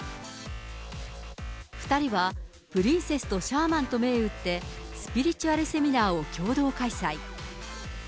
２人は、プリンセスとシャーマンと銘打って、スピリチュアルセミナーを共同開催。